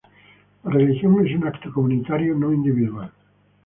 La religión es un acto comunitario, no individual.